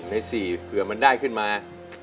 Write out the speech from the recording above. ใน๔เผื่อมันได้ขึ้นมา